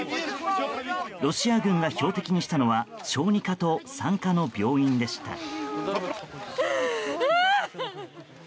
ロシア軍が標的にしたのは小児科と産科の病院でした。